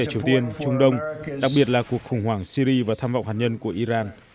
triều tiên trung đông đặc biệt là cuộc khủng hoảng syri và tham vọng hạt nhân của iran